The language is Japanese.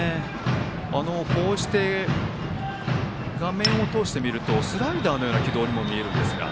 こうして、画面を通して見るとスライダーのような軌道に見えましたが。